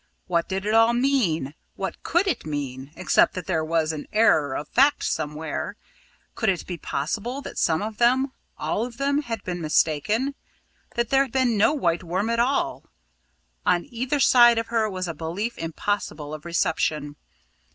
What did it all mean what could it mean, except that there was an error of fact somewhere. Could it be possible that some of them all of them had been mistaken, that there had been no White Worm at all? On either side of her was a belief impossible of reception.